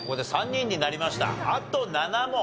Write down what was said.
あと７問。